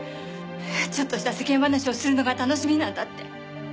ちょっとした世間話をするのが楽しみなんだって。